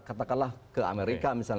katakanlah ke amerika misalnya